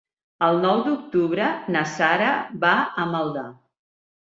El nou d'octubre na Sara va a Maldà.